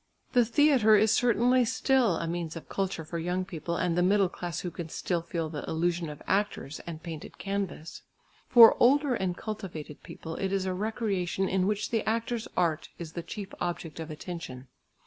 The theatre is certainly still a means of culture for young people and the middle class who can still feel the illusion of actors and painted canvas. For older and cultivated people it is a recreation in which the actor's art is the chief object of attention.